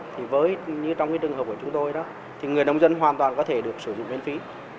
thì trong trường hợp của chúng tôi người nông dân hoàn toàn có thể được sử dụng miễn phí